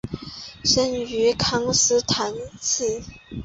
生于康斯坦茨。